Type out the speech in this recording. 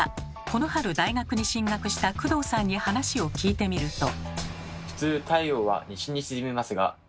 この春大学に進学した工藤さんに話を聞いてみると。